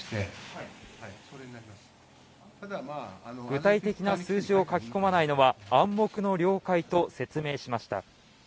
具体的な数字を書き込まないのは暗黙の了解と説明しました。